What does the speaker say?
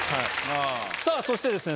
さぁそしてですね